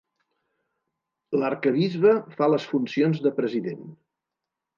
L'arquebisbe fa les funcions de president.